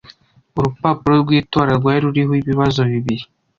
Urupapuro rw’itora rwari ruriho ibibazo bibiri